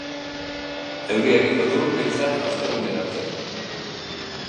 Euria egingo du, behintzat, ostegunera arte.